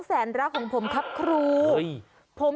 ชอบไหม